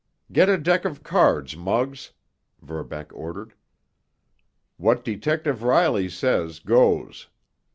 "Get a deck of cards, Muggs," Verbeck ordered. "What Detective Riley says goes.